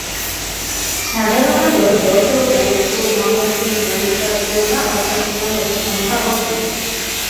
সাধারণত যশোর, ফরিদপুর, ময়মনসিংহ, বরিশাল, খুলনা ও চট্টগ্রামে এদের সংখ্যা অধিক।